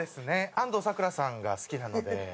安藤サクラさんが好きなので。